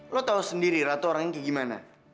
lo tau sendiri ratu orangnya kayak gimana